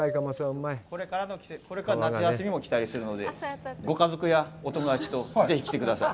これからの季節、これから夏休みも来たりするので、ご家族やお友達とぜひ来てください。